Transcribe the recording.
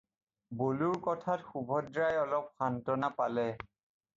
বলোৰ কথাত সুভদ্ৰাই অলপ সান্তনা পালে।